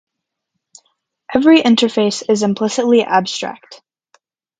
Every interface is implicitly abstract.